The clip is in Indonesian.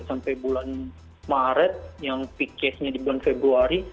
sampai bulan maret yang peak case nya di bulan februari